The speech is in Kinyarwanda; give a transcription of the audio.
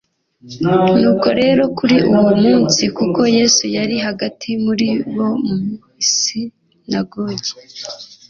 Nuko rero kuri uwo munsi, kuko Yesu yari hagati muri bo mu isinagogi,